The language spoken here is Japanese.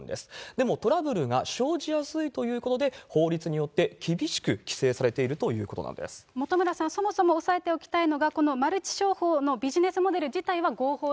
でもトラブルが生じやすいということで、法律によって厳しく規制本村さん、そもそも押さえておきたいのが、このマルチ商法のビジネスモデル